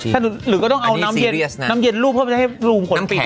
หรือก็ต้องเอาน้ำเย็นรูปเพื่อให้รูขุมขนปิด